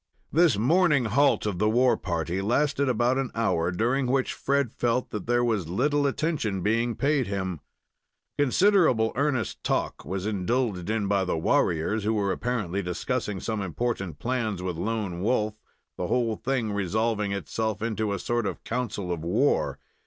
This morning halt of the war party lasted about an hour, during which Fred felt that there was little attention being paid him. Considerable earnest talk was indulged in by the warriors, who were apparently discussing some important plans with Lone Wolf, the whole thing resolving itself into a sort of council of war.